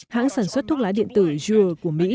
hãng sản xuất thuốc lá điện tử jual của mỹ